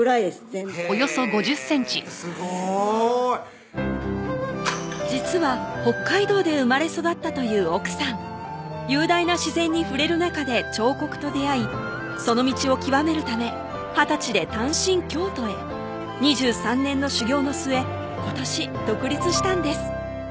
全体でへぇすごい実は北海道で生まれ育ったという奥さん雄大な自然に触れる中で彫刻と出会いその道を究めるため２０歳で単身京都へ２３年の修行の末今年独立したんです